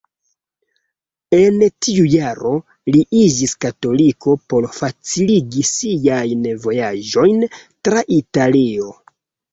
En tiu jaro, li iĝis katoliko por faciligi siajn vojaĝojn tra Italio.